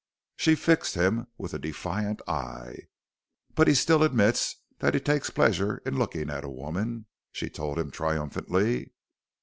She fixed him with a defiant eye. "But he still admits that he takes pleasure in looking at a woman!" she told him triumphantly.